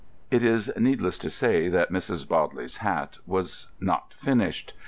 It is needless to say that Mrs. Bodley's hat was not finished.